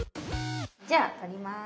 じゃあ取ります。